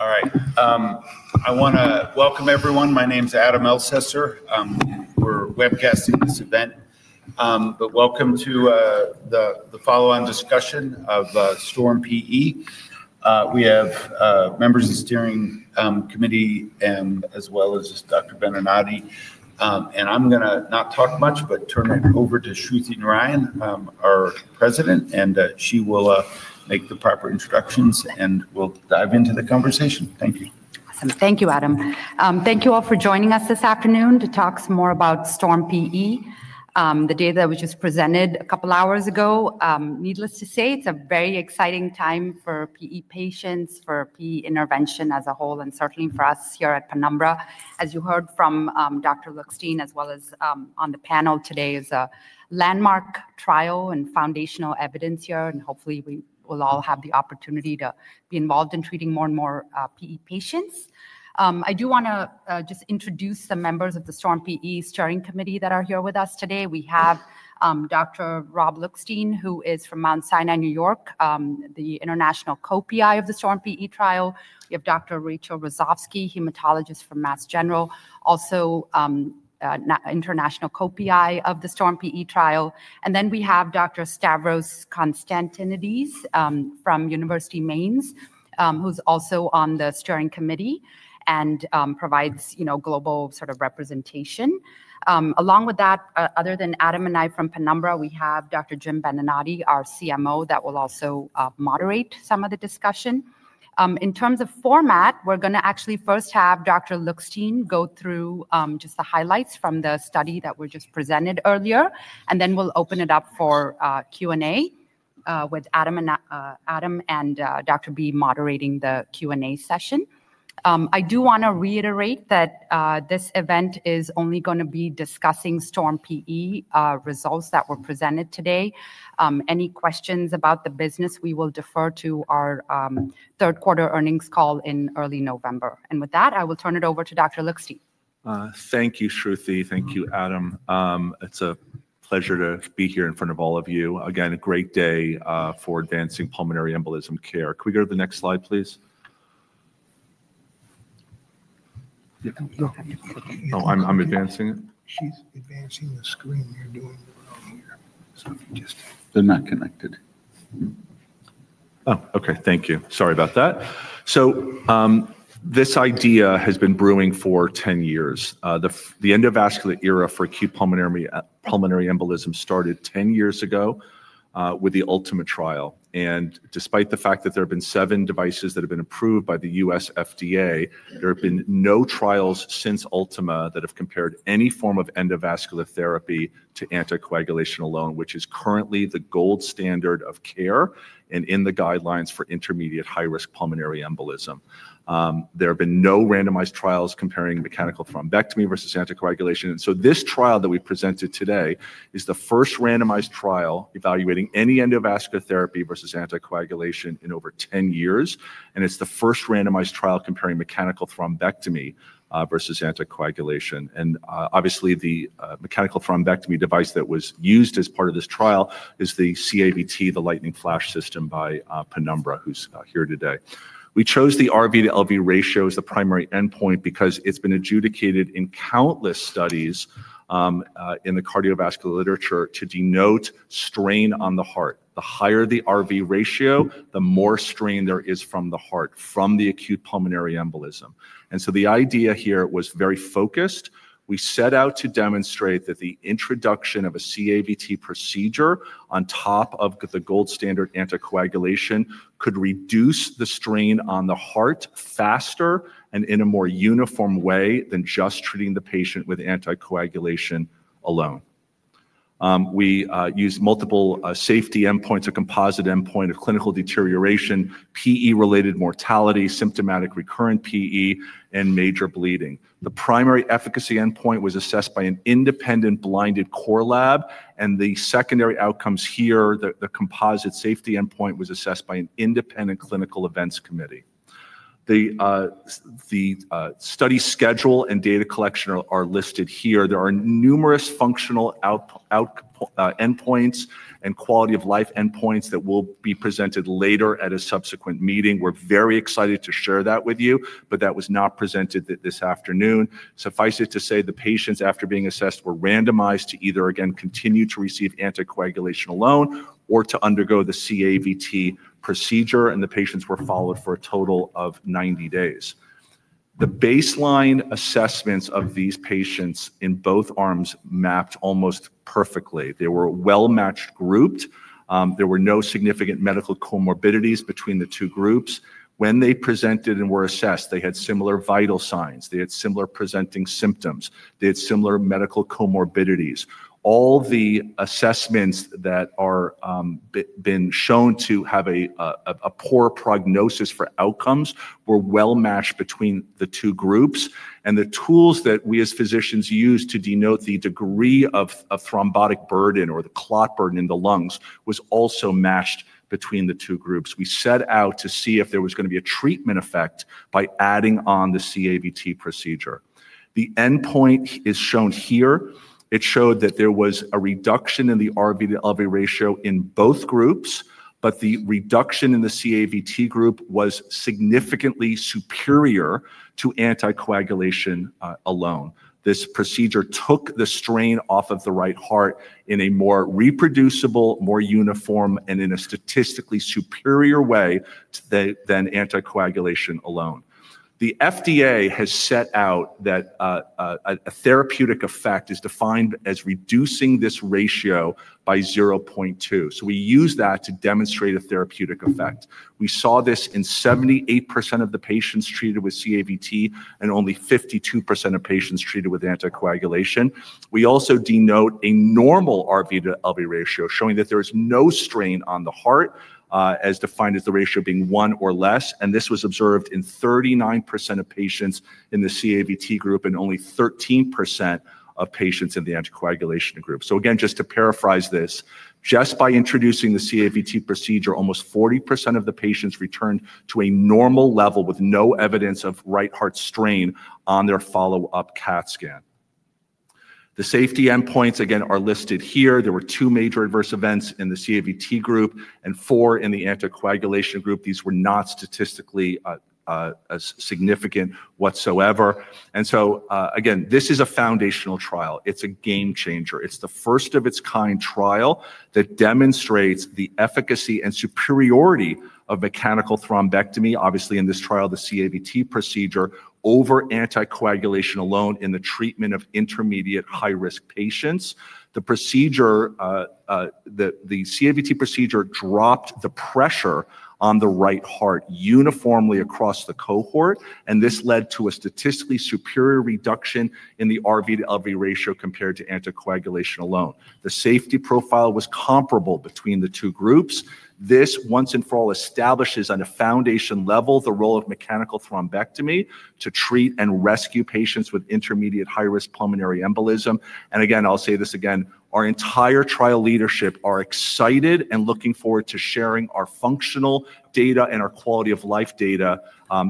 All right. I want to welcome everyone. My name is Adam Elsesser. We're webcasting this event. Welcome to the follow-on discussion of Storm-PE. We have members of the steering committee, as well as Dr. Benenati. I'm not going to talk much, but turn it over to Shruthi Narayan, our President, and she will make the proper introductions, and we'll dive into the conversation. Thank you. Awesome. Thank you, Adam. Thank you all for joining us this afternoon to talk some more about Storm-PE. The data that was just presented a couple of hours ago, needless to say, it's a very exciting time for PE patients, for PE intervention as a whole, and certainly for us here at Penumbra. As you heard from Dr. Lookstein, as well as on the panel today, it is a landmark trial and foundational evidence here. Hopefully, we will all have the opportunity to be involved in treating more and more PE patients. I do want to just introduce the members of the Storm-PE steering committee that are here with us today. We have Dr. Rob Lookstein, who is from Mount Sinai, New York City, the international co-PI of the Storm-PE trial. We have Dr. Rachel Rosovsky, hematologist from Massachusetts General Hospital, also an international co-PI of the Storm-PE trial. Then we have Dr. Stavros Konstantinides from University of Mainz, who's also on the steering committee and provides, you know, global sort of representation. Along with that, other than Adam and I from Penumbra, we have Dr. Jim Benenati, our CMO, that will also moderate some of the discussion. In terms of format, we're going to actually first have Dr. Lookstein go through just the highlights from the study that were just presented earlier. Then we'll open it up for Q&A with Adam and Dr. B moderating the Q&A session. I do want to reiterate that this event is only going to be discussing Storm-PE results that were presented today. Any questions about the business, we will defer to our third quarter earnings call in early November. With that, I will turn it over to Dr. Lookstein. Thank you, Shruthi. Thank you, Adam. It's a pleasure to be here in front of all of you. Again, a great day for advancing pulmonary embolism care. Can we go to the next slide, please? Oh, I'm advancing it. She's advancing the screen. You're doing well here. If you just. They're not connected. Oh, okay. Thank you. Sorry about that. This idea has been brewing for 10 years. The endovascular era for acute pulmonary embolism started 10 years ago with the Ultima trial. Despite the fact that there have been seven devices that have been approved by the U.S. FDA, there have been no trials since Ultima that have compared any form of endovascular therapy to anticoagulation alone, which is currently the gold standard of care and in the guidelines for intermediate high-risk pulmonary embolism. There have been no randomized trials comparing mechanical thrombectomy versus anticoagulation. This trial that we presented today is the first randomized trial evaluating any endovascular therapy versus anticoagulation in over 10 years. It's the first randomized trial comparing mechanical thrombectomy versus anticoagulation. Obviously, the mechanical thrombectomy device that was used as part of this trial is the CABT, the Lightning Flash System by Penumbra, who's here today. We chose the RV to LV ratio as the primary endpoint because it's been adjudicated in countless studies in the cardiovascular literature to denote strain on the heart. The higher the RV ratio, the more strain there is from the heart from the acute pulmonary embolism. The idea here was very focused. We set out to demonstrate that the introduction of a CABT procedure on top of the gold standard anticoagulation could reduce the strain on the heart faster and in a more uniform way than just treating the patient with anticoagulation alone. We used multiple safety endpoints, a composite endpoint of clinical deterioration, PE-related mortality, symptomatic recurrent PE, and major bleeding. The primary efficacy endpoint was assessed by an independent blinded core lab. The secondary outcomes here, the composite safety endpoint, was assessed by an independent clinical events committee. The study schedule and data collection are listed here. There are numerous functional endpoints and quality of life endpoints that will be presented later at a subsequent meeting. We're very excited to share that with you, but that was not presented this afternoon. Suffice it to say, the patients after being assessed were randomized to either, again, continue to receive anticoagulation alone or to undergo the CABT procedure. The patients were followed for a total of 90 days. The baseline assessments of these patients in both arms mapped almost perfectly. They were well-matched groups. There were no significant medical comorbidities between the two groups. When they presented and were assessed, they had similar vital signs. They had similar presenting symptoms. They had similar medical comorbidities. All the assessments that have been shown to have a poor prognosis for outcomes were well matched between the two groups. The tools that we as physicians use to denote the degree of thrombotic burden or the clot burden in the lungs were also matched between the two groups. We set out to see if there was going to be a treatment effect by adding on the CABT procedure. The endpoint is shown here. It showed that there was a reduction in the RV to LV ratio in both groups, but the reduction in the CABT group was significantly superior to anticoagulation alone. This procedure took the strain off of the right heart in a more reproducible, more uniform, and in a statistically superior way than anticoagulation alone. The FDA has set out that a therapeutic effect is defined as reducing this ratio by 0.2. We use that to demonstrate a therapeutic effect. We saw this in 78% of the patients treated with CABT and only 52% of patients treated with anticoagulation. We also denote a normal RV to LV ratio, showing that there is no strain on the heart, as defined as the ratio being 1 or less. This was observed in 39% of patients in the CABT group and only 13% of patients in the anticoagulation group. Just to paraphrase this, just by introducing the CABT procedure, almost 40% of the patients returned to a normal level with no evidence of right heart strain on their follow-up CAT scan. The safety endpoints are listed here. There were two major adverse events in the CABT group and four in the anticoagulation group. These were not statistically significant whatsoever. This is a foundational trial. It's a game changer. It's the first of its kind trial that demonstrates the efficacy and superiority of mechanical thrombectomy, obviously in this trial, the CABT procedure, over anticoagulation alone in the treatment of intermediate high-risk patients. The CABT procedure dropped the pressure on the right heart uniformly across the cohort. This led to a statistically superior reduction in the RV to LV ratio compared to anticoagulation alone. The safety profile was comparable between the two groups. This, once and for all, establishes on a foundation level the role of mechanical thrombectomy to treat and rescue patients with intermediate high-risk pulmonary embolism. I'll say this again, our entire trial leadership is excited and looking forward to sharing our functional data and our quality of life data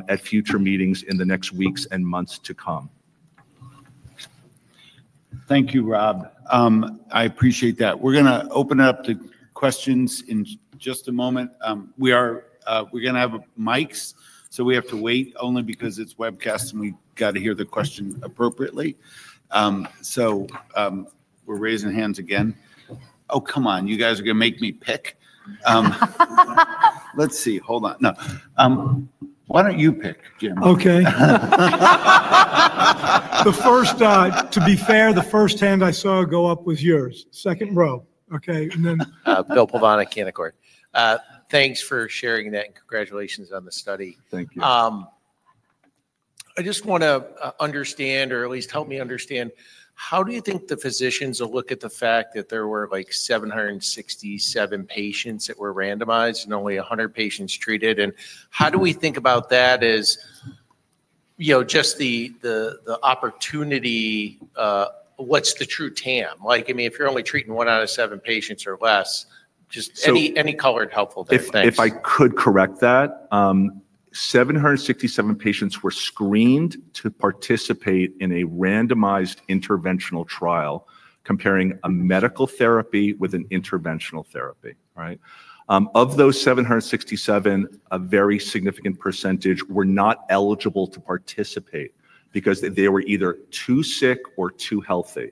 at future meetings in the next weeks and months to come. Thank you, Rob. I appreciate that. We're going to open it up to questions in just a moment. We're going to have mics, so we have to wait only because it's webcast and we got to hear the question appropriately. We're raising hands again. Oh, come on. You guys are going to make me pick. Let's see. Hold on. No. Why don't you pick, Jim? OK. To be fair, the first hand I saw go up was yours. Second row. Okay. Thanks for sharing that and congratulations on the study. Thank you. I just want to understand, or at least help me understand, how do you think the physicians will look at the fact that there were like 767 patients that were randomized and only 100 patients treated? How do we think about that as just the opportunity? What's the true TAM? Like, I mean, if you're only treating one out of seven patients or less, just any colored helpful thing. If I could correct that, 767 patients were screened to participate in a randomized interventional trial comparing a medical therapy with an interventional therapy, right? Of those 767, a very significant percentage were not eligible to participate because they were either too sick or too healthy.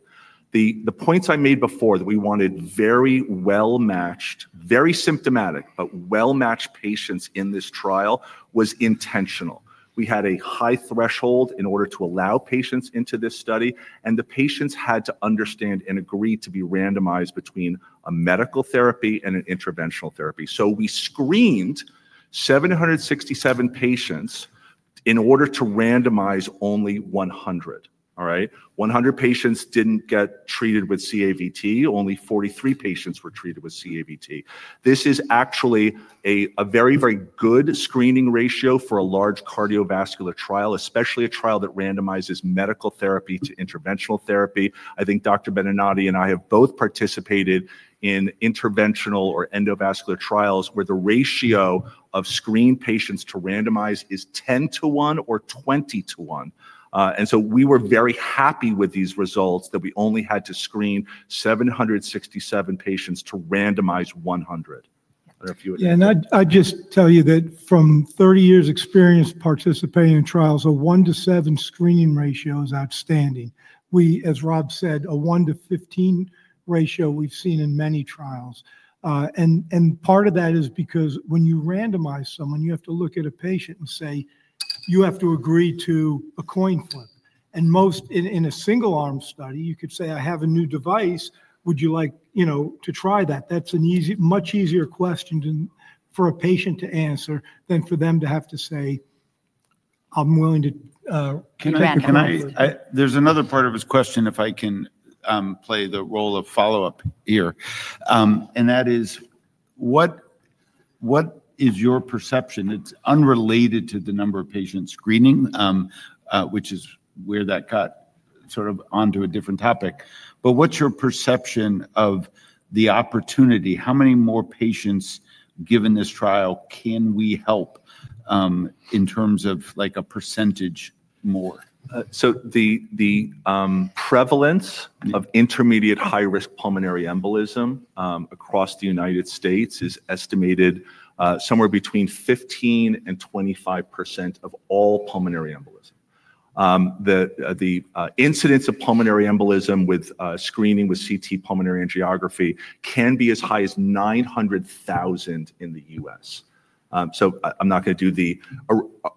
The points I made before that we wanted very well matched, very symptomatic, but well matched patients in this trial was intentional. We had a high threshold in order to allow patients into this study. The patients had to understand and agree to be randomized between a medical therapy and an interventional therapy. We screened 767 patients in order to randomize only 100, all right? 100 patients didn't get treated with CABT. Only 43 patients were treated with CABT. This is actually a very, very good screening ratio for a large cardiovascular trial, especially a trial that randomizes medical therapy to interventional therapy. I think Dr. Benenati and I have both participated in interventional or endovascular trials where the ratio of screened patients to randomized is 10 to 1 or 20 to 1. We were very happy with these results that we only had to screen 767 patients to randomize 100. Yeah. I'd just tell you that from 30 years' experience participating in trials, a 1 to 7 screening ratio is outstanding. As Rob said, a 1 to 15 ratio we've seen in many trials. Part of that is because when you randomize someone, you have to look at a patient and say, you have to agree to a coin flip. In a single-arm study, you could say, I have a new device, would you like to try that? That's a much easier question for a patient to answer than for them to have to say, I'm willing to. Can I? There's another part of his question if I can play the role of follow-up here. That is, what is your perception? It's unrelated to the number of patients screening, which is where that got sort of onto a different topic. What's your perception of the opportunity? How many more patients given this trial can we help in terms of like a percentage more? The prevalence of intermediate high-risk pulmonary embolism across the United States is estimated somewhere between 15% and 25% of all pulmonary embolism. The incidence of pulmonary embolism with screening with CT pulmonary angiography can be as high as 900,000 in the U.S. I'm not going to do the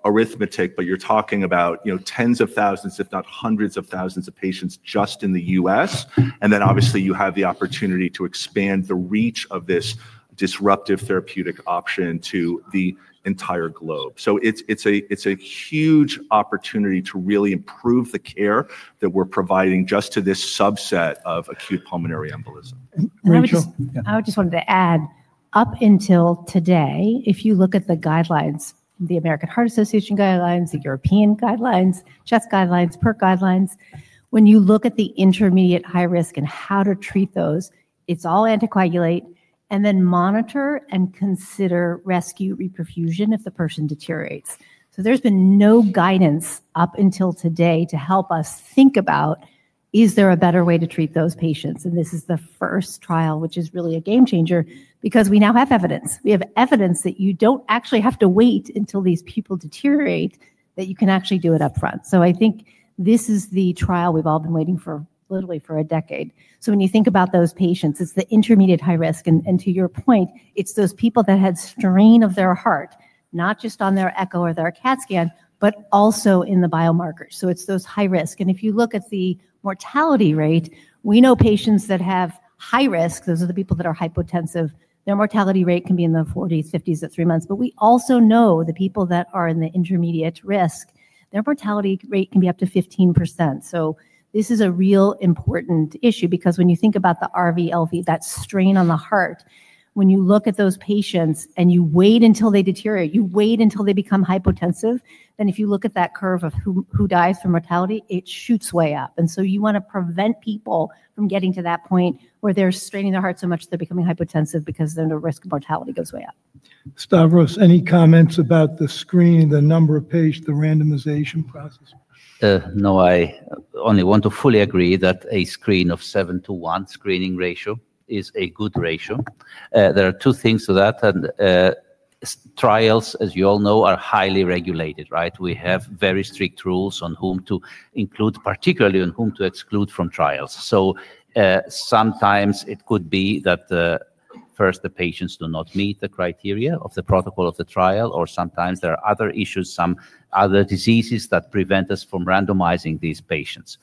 arithmetic, but you're talking about tens of thousands, if not hundreds of thousands of patients just in the U.S. Obviously, you have the opportunity to expand the reach of this disruptive therapeutic option to the entire globe. It's a huge opportunity to really improve the care that we're providing just to this subset of acute pulmonary embolism. I just wanted to add, up until today, if you look at the guidelines, the American Heart Association guidelines, the European guidelines, CHEST guidelines, PERT guidelines, when you look at the intermediate high risk and how to treat those, it's all anticoagulate and then monitor and consider rescue reperfusion if the person deteriorates. There's been no guidance up until today to help us think about, is there a better way to treat those patients? This is the first trial, which is really a game changer because we now have evidence. We have evidence that you don't actually have to wait until these people deteriorate, that you can actually do it up front. I think this is the trial we've all been waiting for literally for a decade. When you think about those patients, it's the intermediate high risk. To your point, it's those people that had strain of their heart, not just on their echo or their CAT scan, but also in the biomarkers. It's those high risk. If you look at the mortality rate, we know patients that have high risk, those are the people that are hypotensive, their mortality rate can be in the 40%, 50% at three months. We also know the people that are in the intermediate risk, their mortality rate can be up to 15%. This is a real important issue because when you think about the RV, LV, that strain on the heart, when you look at those patients and you wait until they deteriorate, you wait until they become hypotensive, if you look at that curve of who dies from mortality, it shoots way up. You want to prevent people from getting to that point where they're straining their heart so much that they're becoming hypotensive because their risk of mortality goes way up. Stavros, any comments about the screening, the number of patients, the randomization process? No, I only want to fully agree that a screening ratio of 7 to 1 is a good ratio. There are two things to that. Trials, as you all know, are highly regulated, right? We have very strict rules on whom to include, particularly on whom to exclude from trials. Sometimes it could be that the patients do not meet the criteria of the protocol of the trial, or sometimes there are other issues, some other diseases that prevent us from randomizing these patients.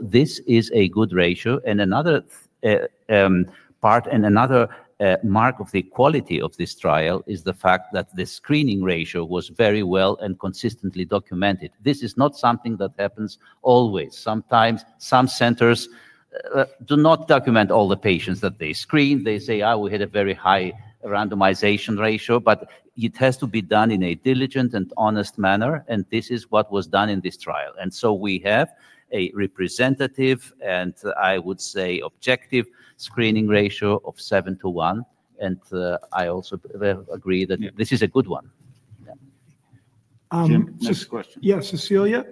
This is a good ratio. Another part and another mark of the quality of this trial is the fact that the screening ratio was very well and consistently documented. This is not something that happens always. Sometimes some centers do not document all the patients that they screen. They say, oh, we had a very high randomization ratio. It has to be done in a diligent and honest manner. This is what was done in this trial. We have a representative and I would say objective screening ratio of 7 to 1. I also agree that this is a good one. Jim? NextJust a question. Yeah, Cecilia,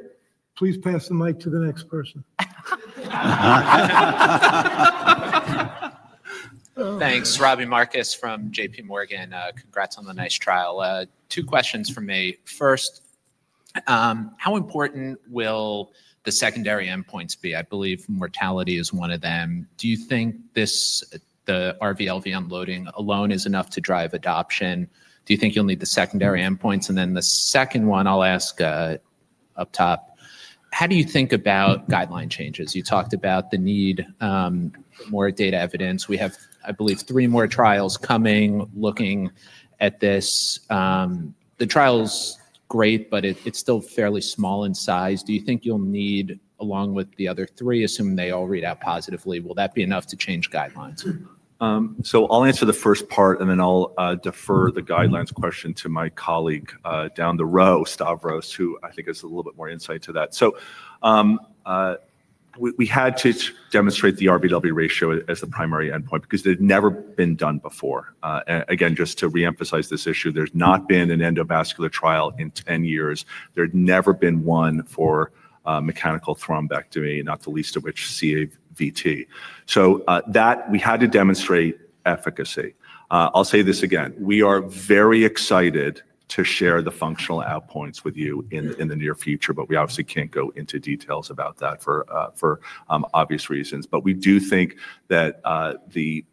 please pass the mic to the next person. Thanks. Robbie Marcus from JPMorgan. Congrats on the nice trial. Two questions from me. First, how important will the secondary endpoints be? I believe mortality is one of them. Do you think the RV, LV unloading alone is enough to drive adoption? Do you think you'll need the secondary endpoints? The second one, I'll ask up top. How do you think about guideline changes? You talked about the need for more data evidence. We have, I believe, three more trials coming, looking at this. The trial's great, but it's still fairly small in size. Do you think you'll need, along with the other three, assume they all read out positively? Will that be enough to change guidelines? I'll answer the first part, and then I'll defer the guidelines question to my colleague down the row, Stavros, who I think has a little bit more insight to that. We had to demonstrate the RV to LV ratio as the primary endpoint because it had never been done before. Again, just to reemphasize this issue, there's not been an endovascular trial in 10 years. There had never been one for mechanical thrombectomy, not the least of which CABT. We had to demonstrate efficacy. I'll say this again. We are very excited to share the functional outpoints with you in the near future. We obviously can't go into details about that for obvious reasons. We do think that the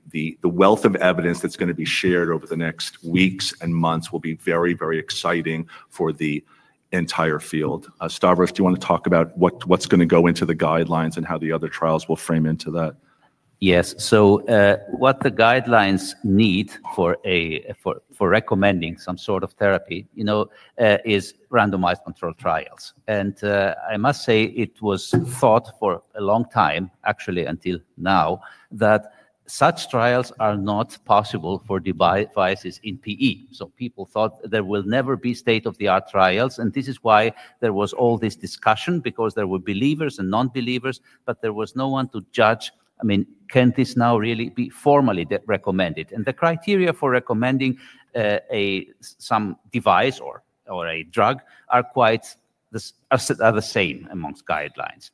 wealth of evidence that's going to be shared over the next weeks and months will be very, very exciting for the entire field. Stavros, do you want to talk about what's going to go into the guidelines and how the other trials will frame into that? Yes. What the guidelines need for recommending some sort of therapy is randomized controlled trials. I must say it was thought for a long time, actually, until now, that such trials are not possible for devices in PE. People thought there will never be state-of-the-art trials. This is why there was all this discussion because there were believers and non-believers, but there was no one to judge. I mean, can this now really be formally recommended? The criteria for recommending some device or a drug are quite the same amongst guidelines.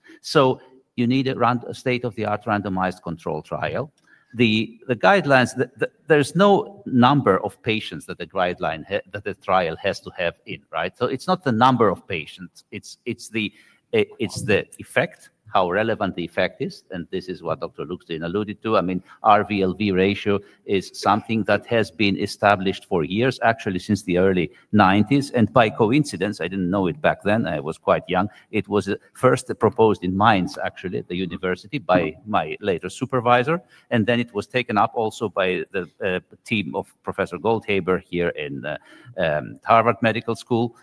You need a state-of-the-art randomized controlled trial. There's no number of patients that the trial has to have in, right? It's not the number of patients. It's the effect, how relevant the effect is. This is what Dr. Lookstein alluded to. RV to LV ratio is something that has been established for years, actually since the early 1990s. By coincidence, I didn't know it back then. I was quite young. It was first proposed in Mainz, actually, at the university by my later supervisor. Then it was taken up also by the team of Professor Goldhaber here in Harvard Medical School.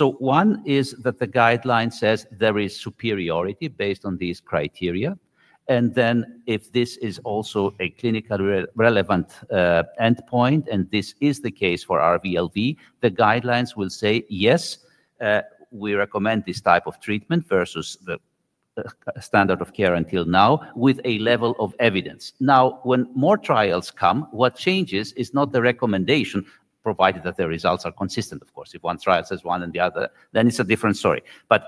One is that the guideline says there is superiority based on these criteria. If this is also a clinically relevant endpoint, and this is the case for RV to LV, the guidelines will say, yes, we recommend this type of treatment versus the standard of care until now with a level of evidence. Now, when more trials come, what changes is not the recommendation, provided that the results are consistent, of course. If one trial says one and the other, then it's a different story.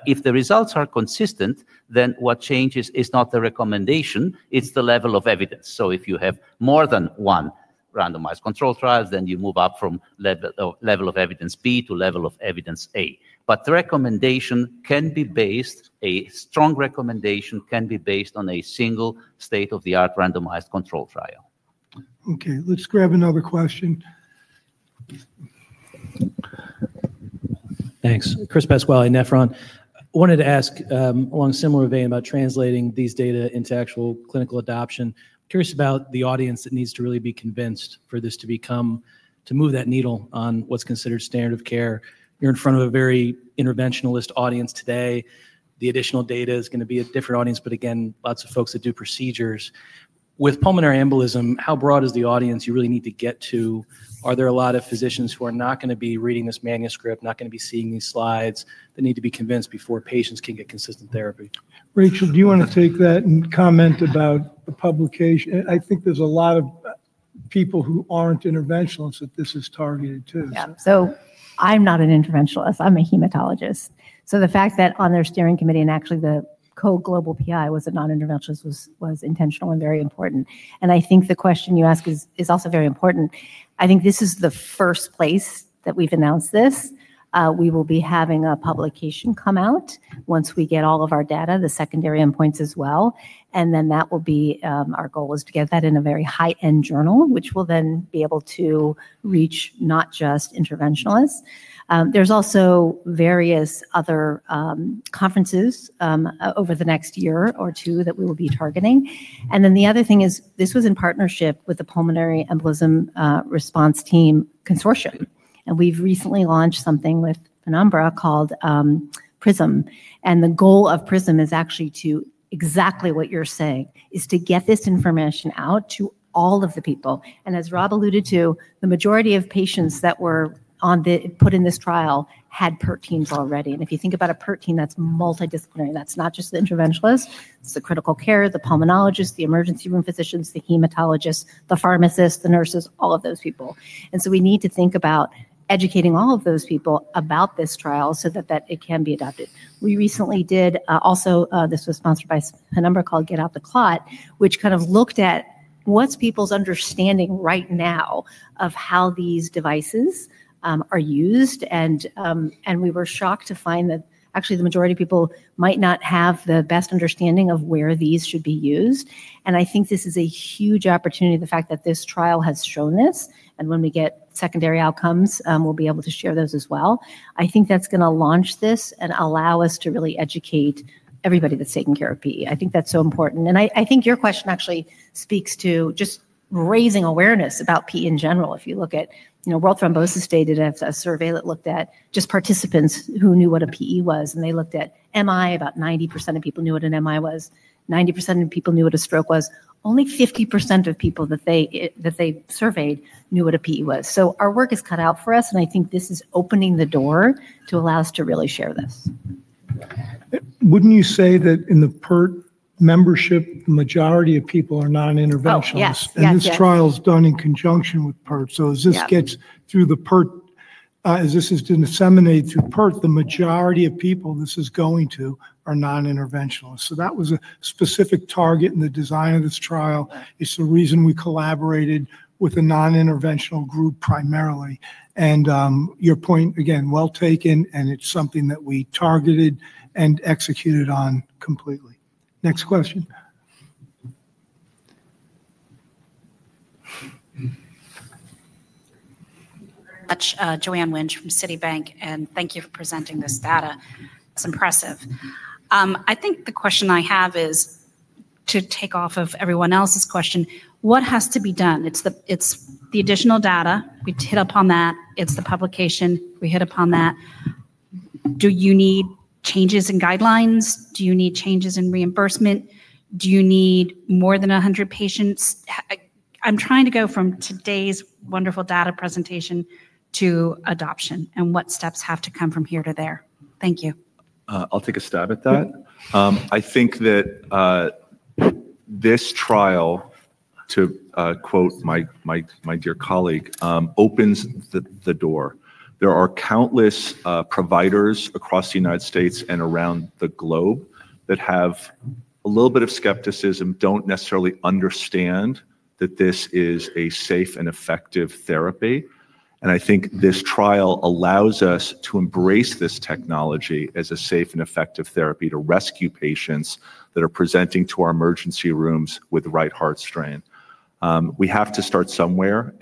If the results are consistent, then what changes is not the recommendation. It's the level of evidence. If you have more than one randomized controlled trial, then you move up from level of evidence B to level of evidence A. The recommendation can be based, a strong recommendation can be based on a single state-of-the-art randomized controlled trial. OK. Let's grab another question. Thanks. Chris Pasquale in Nephron. I wanted to ask along a similar vein about translating these data into actual clinical adoption. I'm curious about the audience that needs to really be convinced for this to become, to move that needle on what's considered standard of care. You're in front of a very interventionalist audience today. The additional data is going to be a different audience. Again, lots of folks that do procedures. With pulmonary embolism, how broad is the audience you really need to get to? Are there a lot of physicians who are not going to be reading this manuscript, not going to be seeing these slides that need to be convinced before patients can get consistent therapy? Rachel, do you want to take that and comment about the publication? I think there's a lot of people who aren't interventionalists that this is targeted to. Yeah. I'm not an interventionalist. I'm a hematologist. The fact that on their steering committee and actually the co-global PI was a non-interventionalist was intentional and very important. I think the question you ask is also very important. I think this is the first place that we've announced this. We will be having a publication come out once we get all of our data, the secondary endpoints as well. That will be our goal, to get that in a very high-end journal, which will then be able to reach not just interventionalists. There are also various other conferences over the next year or two that we will be targeting. The other thing is this was in partnership with the primary embolism responce team consortium. We've recently launched something with Penumbra called PRISM. The goal of PRISM is actually to do exactly what you're saying, to get this information out to all of the people. As Rob alluded to, the majority of patients that were put in this trial had PERT teams already. If you think about a PERT team, that's multidisciplinary. That's not just the interventionalists. It's the critical care, the pulmonologists, the emergency room physicians, the hematologists, the pharmacists, the nurses, all of those people. We need to think about educating all of those people about this trial so that it can be adopted. We recently did also, this was sponsored by Penumbra, called Get Out the Clot, which kind of looked at what's people's understanding right now of how these devices are used. We were shocked to find that actually the majority of people might not have the best understanding of where these should be used. I think this is a huge opportunity, the fact that this trial has shown this. When we get secondary outcomes, we'll be able to share those as well. I think that's going to launch this and allow us to really educate everybody that's taking care of PE. I think that's so important. I think your question actually speaks to just raising awareness about PE in general. If you look at World Thrombosis stated, a survey that looked at just participants who knew what a PE was. They looked at MI. About 90% of people knew what an MI was. 90% of people knew what a stroke was. Only 50% of people that they surveyed knew what a PE was. Our work has cut out for us. I think this is opening the door to allow us to really share this. Wouldn't you say that in the PERT Consortium membership, the majority of people are non-interventionalists? Yes. This trial is done in conjunction with PERT. As this gets through the PERT, as this is disseminated through PERT, the majority of people this is going to are non-interventionalists. That was a specific target in the design of this trial. It's the reason we collaborated with a non-interventional group primarily. Your point, again, well taken. It's something that we targeted and executed on completely. Next question. From Citi Bank. Thank you for presenting this data. It's impressive. I think the question I have is to take off of everyone else's question. What has to be done? It's the additional data. We hit upon that. It's the publication. We hit upon that. Do you need changes in guidelines? Do you need changes in reimbursement? Do you need more than 100 patients? I'm trying to go from today's wonderful data presentation to adoption and what steps have to come from here to there. Thank you. I'll take a stab at that. I think that this trial, to quote my dear colleague, opens the door. There are countless providers across the United States and around the globe that have a little bit of skepticism, don't necessarily understand that this is a safe and effective therapy. I think this trial allows us to embrace this technology as a safe and effective therapy to rescue patients that are presenting to our emergency rooms with right heart strain. We have to start somewhere.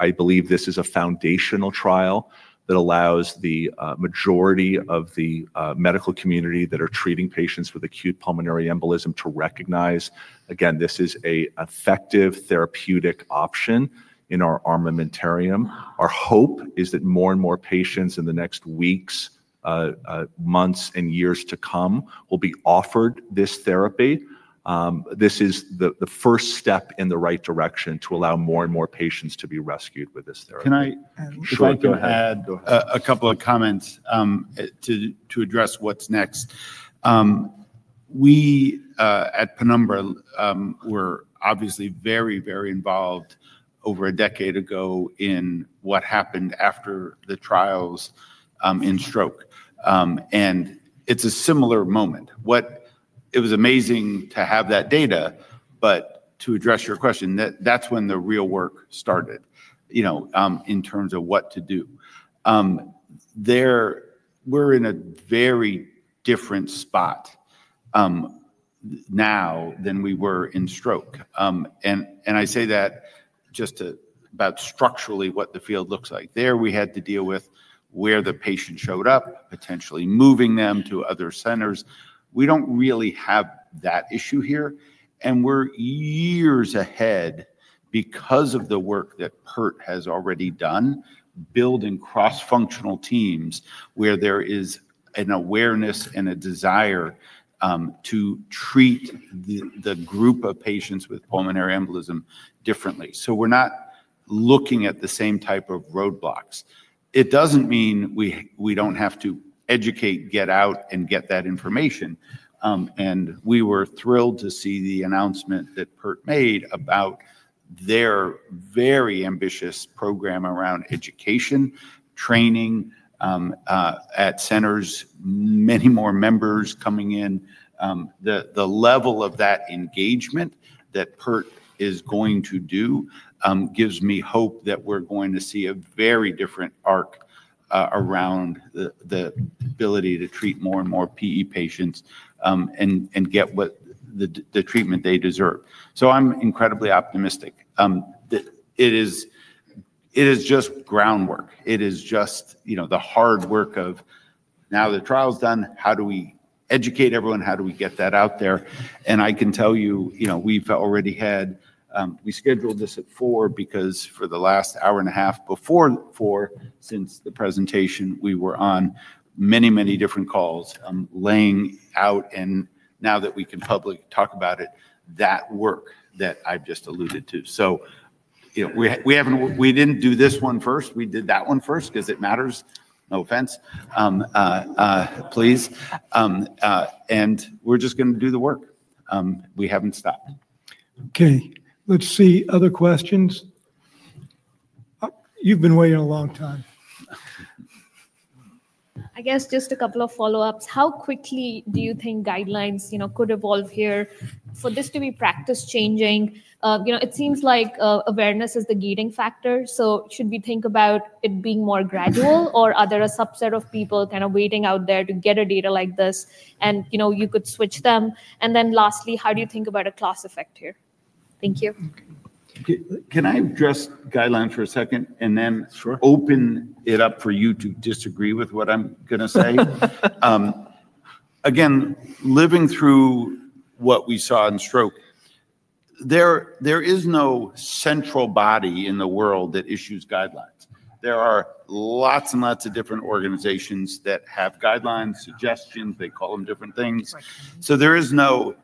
I believe this is a foundational trial that allows the majority of the medical community that are treating patients with acute pulmonary embolism to recognize, again, this is an effective therapeutic option in our armamentarium. Our hope is that more and more patients in the next weeks, months, and years to come will be offered this therapy. This is the first step in the right direction to allow more and more patients to be rescued with this therapy. Can I, add a couple of comments to address what's next? We at Penumbra were obviously very, very involved over a decade ago in what happened after the trials in stroke. It's a similar moment. It was amazing to have that data. To address your question, that's when the real work started in terms of what to do. We're in a very different spot now than we were in stroke. I say that just about structurally what the field looks like. There, we had to deal with where the patient showed up, potentially moving them to other centers. We don't really have that issue here. We're years ahead because of the work that PERT has already done, building cross-functional teams where there is an awareness and a desire to treat the group of patients with pulmonary embolism differently. We're not looking at the same type of roadblocks. It doesn't mean we don't have to educate, get out, and get that information. We were thrilled to see the announcement that PERT made about their very ambitious program around education, training at centers, many more members coming in. The level of that engagement that PERT is going to do gives me hope that we're going to see a very different arc around the ability to treat more and more PE patients and get the treatment they deserve. I'm incredibly optimistic. It is just groundwork. It is just the hard work of now the trial's done. How do we educate everyone? How do we get that out there? I can tell you, we scheduled this at 4:00 P.M. because for the last hour and a half before 4:00 P.M., since the presentation, we were on many, many different calls laying out. Now that we can publicly talk about it, that work that I've just alluded to. We didn't do this one first. We did that one first because it matters. No offense, please. We're just going to do the work. We haven't stopped. OK. Let's see. Other questions? You've been waiting a long time. I guess just a couple of follow-ups. How quickly do you think guidelines could evolve here for this to be practice changing? It seems like awareness is the gating factor. Should we think about it being more gradual, or are there a subset of people kind of waiting out there to get data like this? You could switch them. Lastly, how do you think about a class effect here? Thank you. Can I address guidelines for a second and then open it up for you to disagree with what I'm going to say? Again, living through what we saw in stroke, there is no central body in the world that issues guidelines. There are lots and lots of different organizations that have guidelines, suggestions. They call them different things. There is no,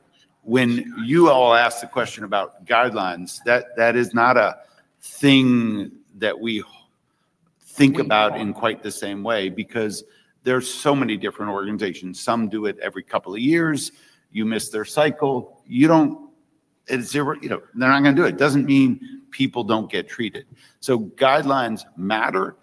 when you all ask the question about guidelines, that is not a thing that we think about in quite the same way because there are so many different organizations. Some do it every couple of years. You miss their cycle, they're not going to do it. It doesn't mean people don't get treated. Guidelines matter.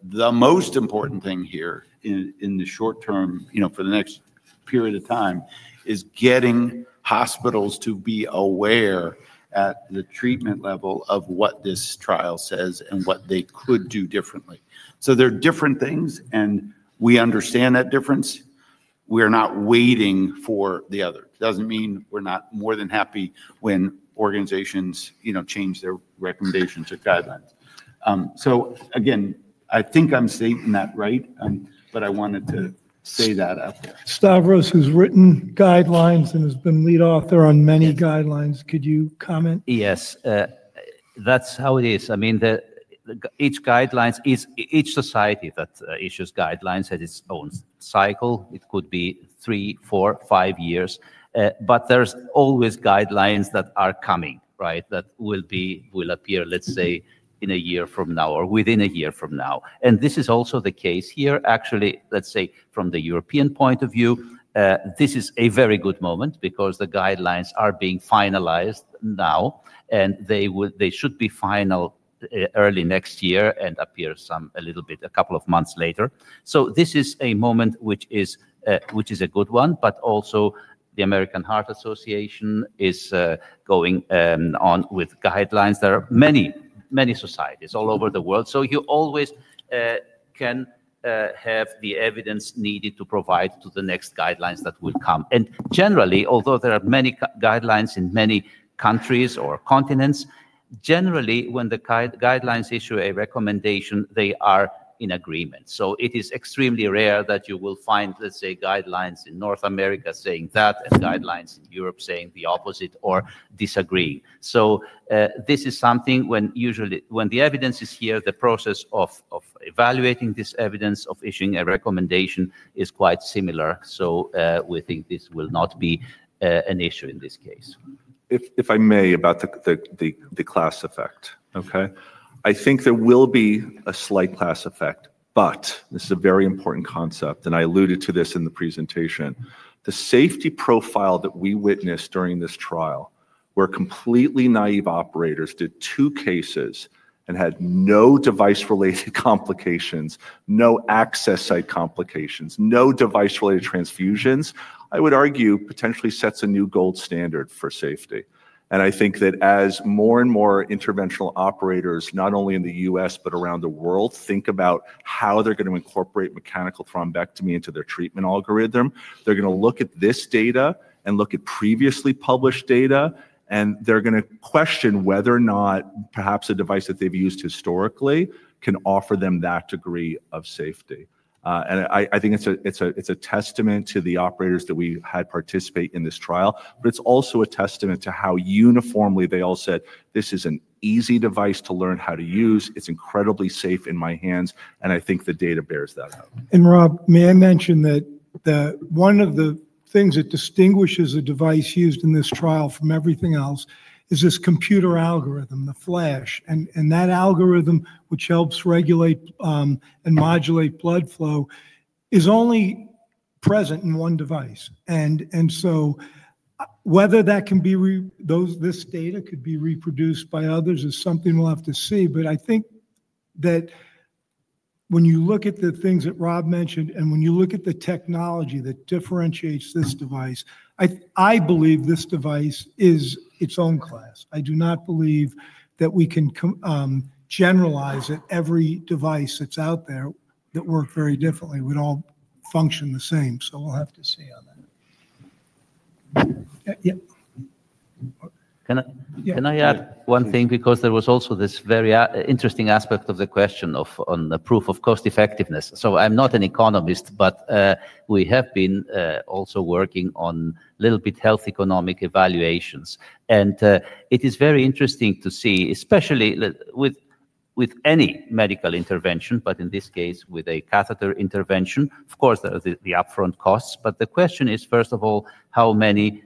The most important thing here in the short-term, for the next period of time, is getting hospitals to be aware at the treatment level of what this trial says and what they could do differently. There are different things, and we understand that difference. We are not waiting for the other. It doesn't mean we're not more than happy when organizations change their recommendations or guidelines. I think I'm stating that right. I wanted to say that out there. Stavros, who’s written guidelines and has been lead author on many guidelines, could you comment? Yes. That's how it is. I mean, each guideline is each society that issues guidelines has its own cycle. It could be three, four, five years. There's always guidelines that are coming, right, that will appear, let's say, in a year from now or within a year from now. This is also the case here. Actually, let's say from the European point of view, this is a very good moment because the guidelines are being finalized now. They should be final early next year and appear a little bit a couple of months later. This is a moment which is a good one. The American Heart Association is going on with guidelines. There are many, many societies all over the world. You always can have the evidence needed to provide to the next guidelines that will come. Generally, although there are many guidelines in many countries or continents, generally, when the guidelines issue a recommendation, they are in agreement. It is extremely rare that you will find, let's say, guidelines in North America saying that and guidelines in Europe saying the opposite or disagreeing. This is something when usually when the evidence is here, the process of evaluating this evidence, of issuing a recommendation is quite similar. We think this will not be an issue in this case. If I may, about the class effect, Okay. I think there will be a slight class effect. This is a very important concept. I alluded to this in the presentation. The safety profile that we witnessed during this trial, where completely naive operators did two cases and had no device-related complications, no access site complications, no device-related transfusions, I would argue potentially sets a new gold standard for safety. I think that as more and more interventional operators, not only in the U.S. but around the world, think about how they're going to incorporate mechanical thrombectomy into their treatment algorithm, they're going to look at this data and look at previously published data. They're going to question whether or not perhaps a device that they've used historically can offer them that degree of safety. I think it's a testament to the operators that we had participate in this trial. It's also a testament to how uniformly they all said, this is an easy device to learn how to use. It's incredibly safe in my hands. I think the data bears that out. Rob, may I mention that one of the things that distinguishes a device used in this trial from everything else is this computer algorithm, the FLASH. That algorithm, which helps regulate and modulate blood flow, is only present in one device. Whether this data could be reproduced by others is something we'll have to see. I think that when you look at the things that Rob mentioned and when you look at the technology that differentiates this device, I believe this device is its own class. I do not believe that we can generalize that every device that's out there that works very differently would all function the same. We'll have to see on that. Can I add one thing? There was also this very interesting aspect of the question on the proof of cost effectiveness. I'm not an economist, but we have been also working on a little bit health economic evaluations. It is very interesting to see, especially with any medical intervention, but in this case, with a catheter intervention, of course, the upfront costs. The question is, first of all, how many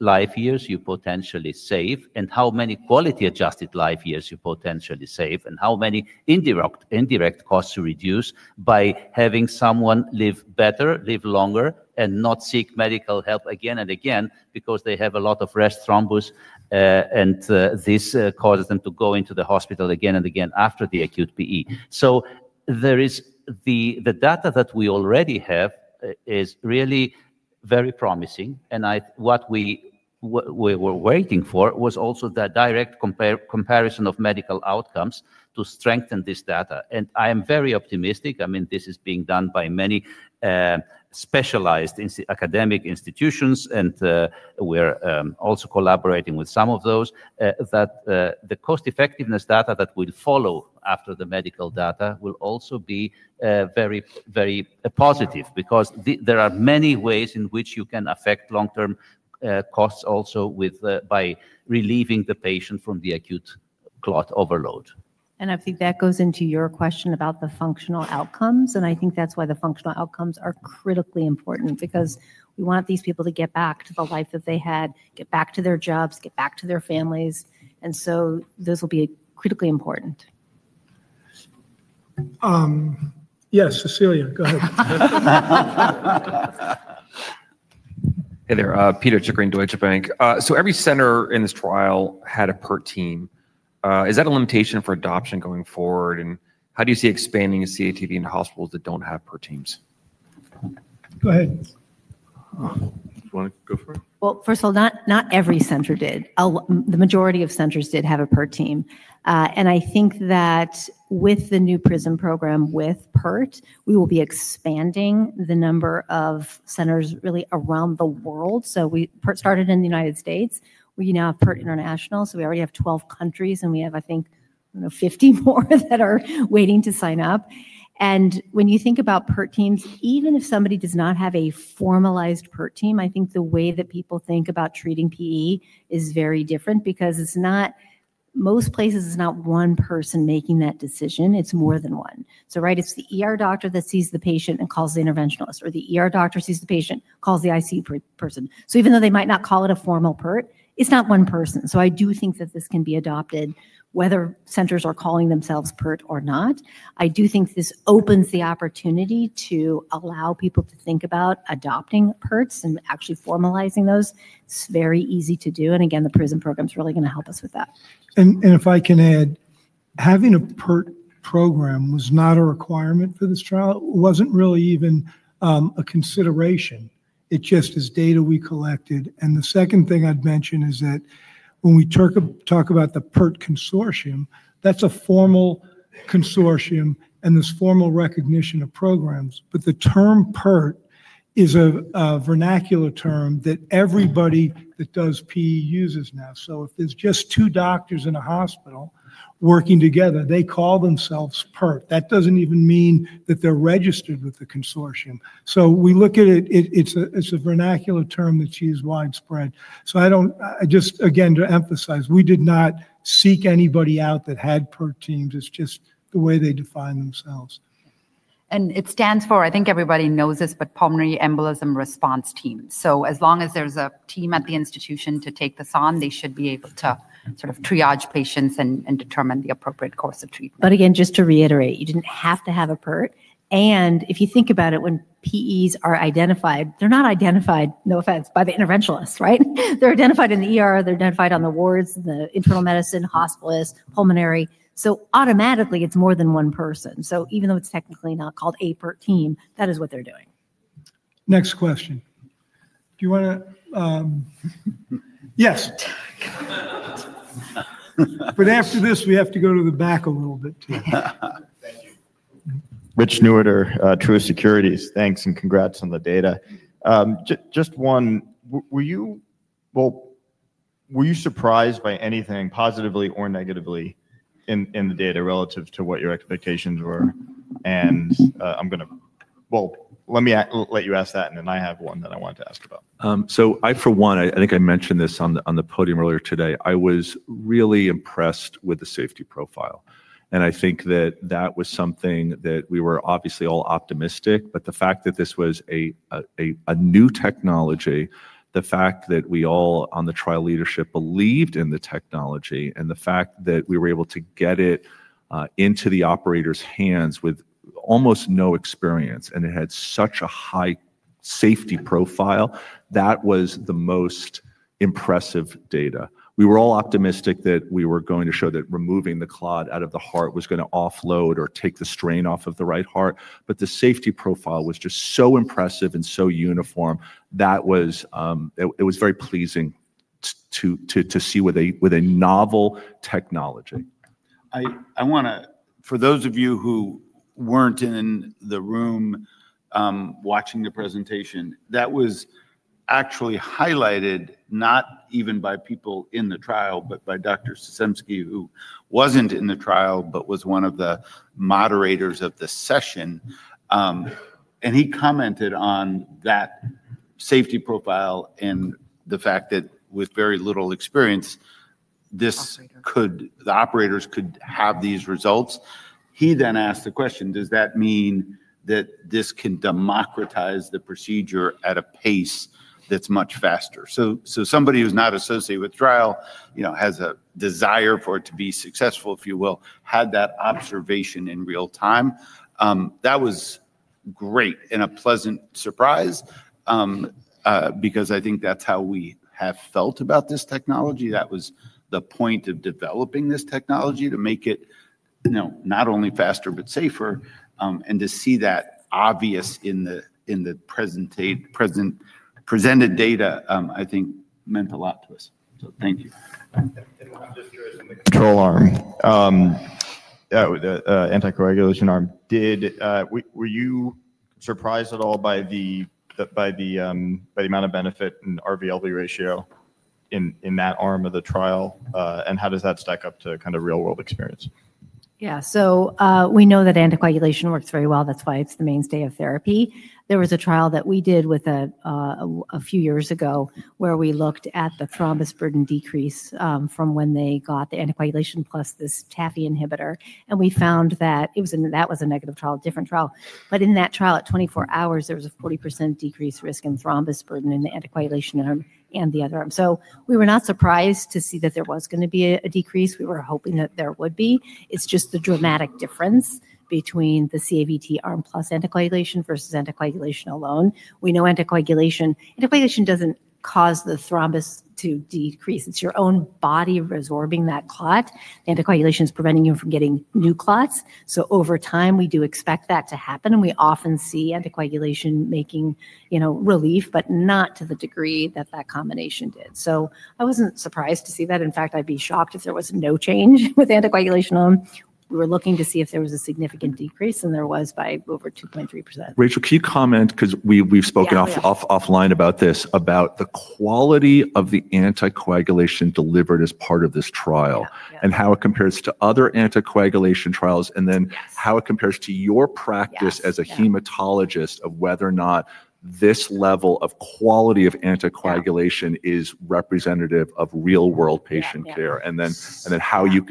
life years you potentially save and how many quality-adjusted life years you potentially save and how many indirect costs you reduce by having someone live better, live longer, and not seek medical help again and again because they have a lot of rest thrombus. This causes them to go into the hospital again and again after the acute PE. The data that we already have is really very promising. What we were waiting for was also the direct comparison of medical outcomes to strengthen this data. I am very optimistic. This is being done by many specialized academic institutions, and we're also collaborating with some of those. The cost effectiveness data that will follow after the medical data will also be very, very positive because there are many ways in which you can affect long-term costs also by relieving the patient from the acute clot overload. I think that goes into your question about the functional outcomes. I think that's why the functional outcomes are critically important because we want these people to get back to the life that they had, get back to their jobs, get back to their families. Those will be critically important. Yes, Cecilia, go ahead. Hey there. [Peter Tickering] at Deutsche Bank. Every center in this trial had a PERT team. Is that a limitation for adoption going forward? How do you see expanding CABT into hospitals that don't have PERT teams? Go ahead. Do you want to go first? First of all, not every center did. The majority of centers did have a PERT team. I think that with the new PRISM program with PERT, we will be expanding the number of centers really around the world. PERT started in the United States. We now have PERT International. We already have 12 countries, and I think 50 more are waiting to sign up. When you think about PERT teams, even if somebody does not have a formalized PERT team, I think the way that people think about treating PE is very different because most places it's not one person making that decision. It's more than one. It's the ER doctor that sees the patient and calls the interventionalist, ER the doctor sees the patient, calls the ICU person. Even though they might not call it a formal PERT, it's not one person. I do think that this can be adopted whether centers are calling themselves PERT or not. I do think this opens the opportunity to allow people to think about adopting PERTs and actually formalizing those. It's very easy to do. Again, the PRISM program is really going to help us with that. If I can add, having a PERT program was not a requirement for this trial. It wasn't really even a consideration. It's just this data we collected. The second thing I'd mention is that when we talk about the PERT Consortium, that's a formal consortium and this formal recognition of programs. The term PERT is a vernacular term that everybody that does PE uses now. If there's just two doctors in a hospital working together, they call themselves PERT. That doesn't even mean that they're registered with the consortium. We look at it. It's a vernacular term that's used widespread. I just, again, to emphasize, we did not seek anybody out that had PERT teams. It's just the way they define themselves. It stands for, I think everybody knows this, Pulmonary Embolism Response Team. As long as there's a team at the institution to take this on, they should be able to sort of triage patients and determine the appropriate course of treatment. Just to reiterate, you didn't have to have a PERT. If you think about it, when PEs are identified, they're not identified, no offense, by the interventionalists, right? They're identified on the wards, the internal medicine, hospitalist, pulmonary. Automatically, it's more than one person. Even though it's technically not called a PERT team, that is what they're doing. Next question. Do you want to? Yes. After this, we have to go to the back a little bit too. [True Securities]. Thanks and congrats on the data. Just one, were you surprised by anything positively or negatively in the data relative to what your expectations were? Let me let you ask that. I have one that I wanted to ask about. I think I mentioned this on the podium earlier today. I was really impressed with the safety profile. I think that was something that we were obviously all optimistic about. The fact that this was a new technology, the fact that we all on the trial leadership believed in the technology, and the fact that we were able to get it into the operator's hands with almost no experience and it had such a high safety profile, that was the most impressive data. We were all optimistic that we were going to show that removing the clot out of the heart was going to offload or take the strain off of the right heart. The safety profile was just so impressive and so uniform that it was very pleasing to see with a novel technology. I want to, for those of you who weren't in the room watching the presentation, that was actually highlighted not even by people in the trial, but by Dr. Sysemski, who wasn't in the trial but was one of the moderators of the session. He commented on that safety profile and the fact that with very little experience, the operators could have these results. He then asked the question, does that mean that this can democratize the procedure at a pace that's much faster? Somebody who's not associated with the trial has a desire for it to be successful, if you will, had that observation in real time. That was great and a pleasant surprise because I think that's how we have felt about this technology. That was the point of developing this technology, to make it not only faster but safer. To see that obvious in the presented data, I think, meant a lot to us. Thank you. Control arm, the anticoagulation arm. Were you surprised at all by the amount of benefit in RV to LV ratio in that arm of the trial? How does that stack up to kind of real-world experience? Yeah. We know that anticoagulation works very well. That's why it's the mainstay of therapy. There was a trial that we did a few years ago where we looked at the thrombus burden decrease from when they got the anticoagulation plus this TAFI inhibitor. We found that that was a negative trial, a different trial. In that trial, at 24 hours, there was a 40% decreased risk in thrombus burden in the anticoagulation arm and the other arm. We were not surprised to see that there was going to be a decrease. We were hoping that there would be. It's just the dramatic difference between the CABT arm plus anticoagulation versus anticoagulation alone. We know anticoagulation doesn't cause the thrombus to decrease. It's your own body resorbing that clot. The anticoagulation is preventing you from getting new clots. Over time, we do expect that to happen. We often see anticoagulation making relief, but not to the degree that that combination did. I wasn't surprised to see that. In fact, I'd be shocked if there was no change with anticoagulation arm. We were looking to see if there was a significant decrease. There was by over 2.3%. Rachel, can you comment because we've spoken offline about this, about the quality of the anticoagulation delivered as part of this trial and how it compares to other anticoagulation trials, and then how it compares to your practice as a hematologist of whether or not this level of quality of anticoagulation is representative of real-world patient care, and then how you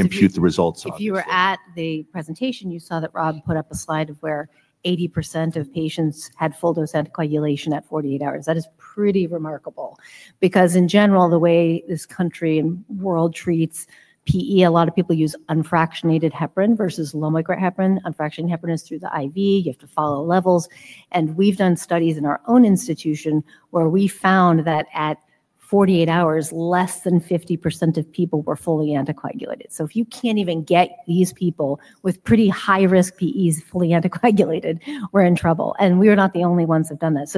can impute the results of it. If you were at the presentation, you saw that Rob put up a slide of where 80% of patients had full-dose anticoagulation at 48 hours. That is pretty remarkable because in general, the way this country and world treats PE, a lot of people use unfractionated heparin versus low-molecular heparin. Unfractionated heparin is through the IV. You have to follow levels. We've done studies in our own institution where we found that at 48 hours, less than 50% of people were fully anticoagulated. If you can't even get these people with pretty high-risk PEs fully anticoagulated, we're in trouble. We are not the only ones that have done that.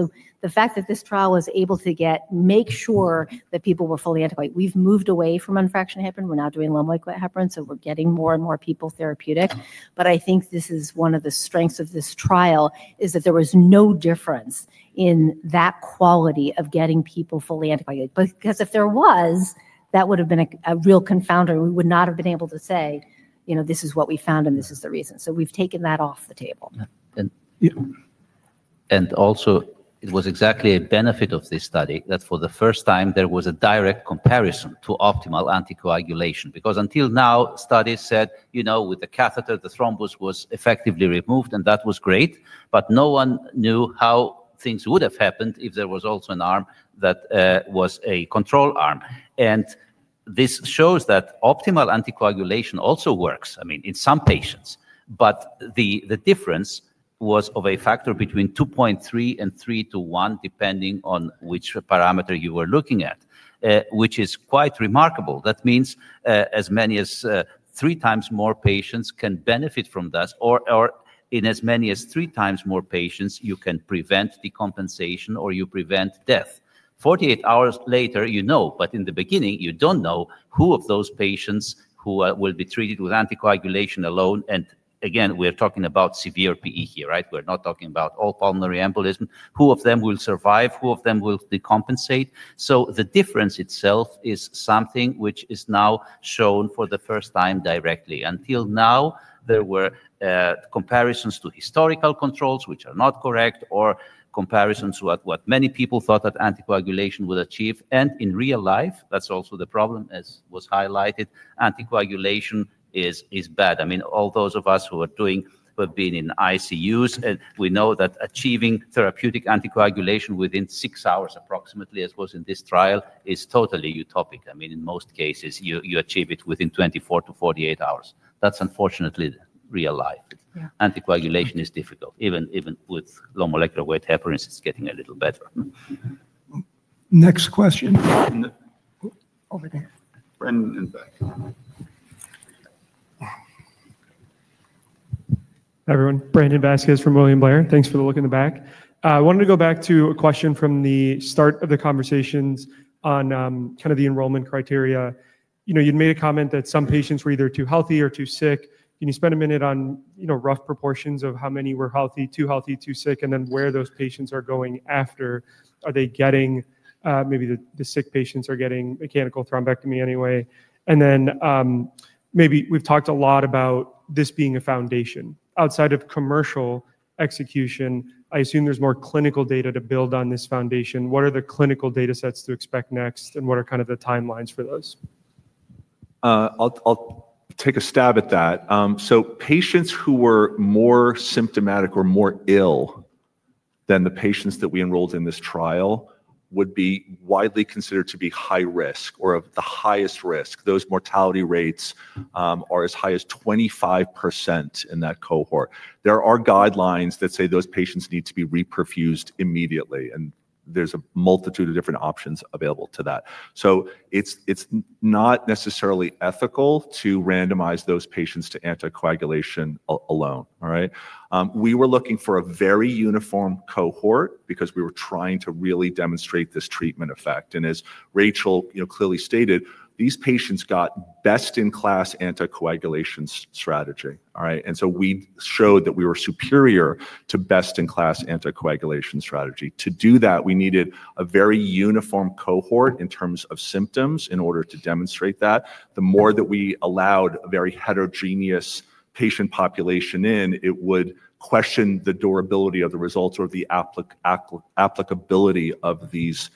The fact that this trial was able to make sure that people were fully anticoagulated, we've moved away from unfractionated heparin. We're now doing low-molecular heparin. We're getting more and more people therapeutic. I think this is one of the strengths of this trial, that there was no difference in that quality of getting people fully anticoagulated. If there was, that would have been a real confounder. We would not have been able to say, this is what we found and this is the reason. We've taken that off the table. It was exactly a benefit of this study that for the first time, there was a direct comparison to optimal anticoagulation because until now, studies said, you know, with the catheter, the thrombus was effectively removed. That was great. No one knew how things would have happened if there was also an arm that was a control arm. This shows that optimal anticoagulation also works, I mean, in some patients. The difference was of a factor between 2.3 and 3 to 1, depending on which parameter you were looking at, which is quite remarkable. That means as many as 3x more patients can benefit from this, or in as many as 3x more patients, you can prevent decompensation or you prevent death. 48 hours later, you know in the beginning, you don't know who of those patients who will be treated with anticoagulation alone. Again, we're talking about severe PE here, right? We're not talking about all pulmonary embolism. Who of them will survive? Who of them will decompensate? The difference itself is something which is now shown for the first time directly. Until now, there were comparisons to historical controls, which are not correct, or comparisons to what many people thought that anticoagulation would achieve. In real life, that's also the problem as was highlighted. Anticoagulation is bad. All those of us who have been in ICUs, we know that achieving therapeutic anticoagulation within six hours approximately, as was in this trial, is totally utopic. In most cases, you achieve it within 24-48 hours. That's unfortunately real life. Anticoagulation is difficult. Even with low-micro heparins, it's getting a little better. Next question. Over there. Brandon in the back. Hi everyone. Brandon Vasquez from William Blair. Thanks for the look in the back. I wanted to go back to a question from the start of the conversations on kind of the enrollment criteria. You'd made a comment that some patients were either too healthy or too sick. Can you spend a minute on rough proportions of how many were healthy, too healthy, too sick, and then where those patients are going after? Are they getting maybe the sick patients are getting mechanical thrombectomy anyway? We've talked a lot about this being a foundation. Outside of commercial execution, I assume there's more clinical data to build on this foundation. What are the clinical data sets to expect next? What are kind of the timelines for those? I'll take a stab at that. Patients who were more symptomatic or more ill than the patients that we enrolled in this trial would be widely considered to be high risk or of the highest risk. Those mortality rates are as high as 25% in that cohort. There are guidelines that say those patients need to be reperfused immediately. There is a multitude of different options available to that. It's not necessarily ethical to randomize those patients to anticoagulation alone, all right? We were looking for a very uniform cohort because we were trying to really demonstrate this treatment effect. As Rachel clearly stated, these patients got best-in-class anticoagulation strategy, all right? We showed that we were superior to best-in-class anticoagulation strategy. To do that, we needed a very uniform cohort in terms of symptoms in order to demonstrate that. The more that we allowed a very heterogeneous patient population in, it would question the durability of the results or the applicability of these